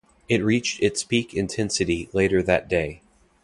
It reached its peak intensity later that day.